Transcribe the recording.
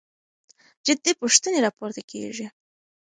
جدي پوښتنې راپورته کېږي.